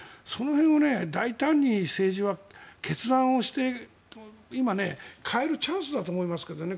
大胆に政治は決断をして今、変えるチャンスだと思いますけどね。